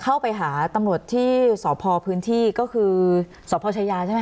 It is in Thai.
เข้าไปหาตำรวจที่สพพื้นที่ก็คือสพชายาใช่ไหม